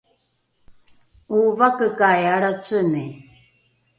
’ovakekai alraceni?